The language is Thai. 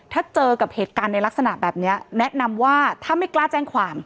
ถ้าเจอกับเหตุการณ์ในลักษณะแบบนี้แนะนำว่าถ้าไม่กล้าแจ้งความ